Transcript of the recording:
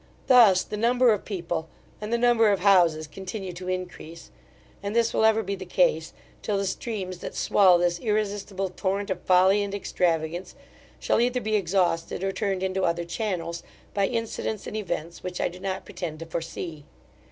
Thus the number of people, and the number of houses continue to increase; and this will ever be the case, till the streams that swell this irresistible torrent of folly and extravagance, shall either be exhausted, or turned into other channels, by incidents and events which I do not pretend to foresee.